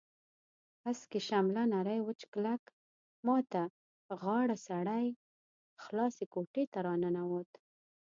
هسکې شمله نری وچ کلک، ما ته غاړه سړی خلاصې کوټې ته راننوت.